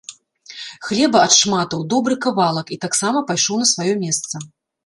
Хлеба адшматаў добры кавалак і таксама пайшоў на сваё месца.